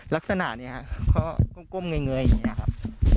ลักษณะนี้ครับก็ก้มเงยอย่างนี้ครับ